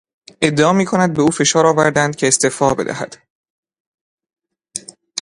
ادعا میکند به او فشار آوردند که استعفا بدهد.